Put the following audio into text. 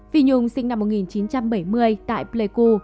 phi nhung sinh năm một nghìn chín trăm bảy mươi tại pleiku